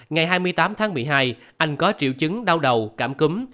ngày hai mươi tám tháng một mươi hai anh có triệu chứng đau đầu cảm cúm